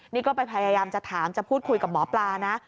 นี่ก็ไปพยายามจะถามจะพูดคุยกับหมอปลานะ